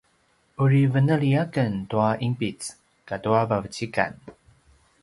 uri veneli aken tua ’inpic katua vavecikan